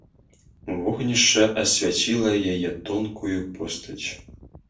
Вогнішча асвяціла яе тонкую постаць.